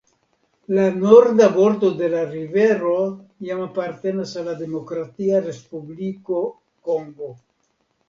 La norda bordo de la rivero jam apartenas al la Demokratia Respubliko Kongo.